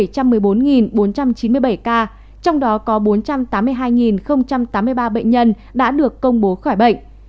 trong bốn trăm chín mươi bảy ca trong đó có bốn trăm tám mươi hai tám mươi ba bệnh nhân đã được công bố khỏi bệnh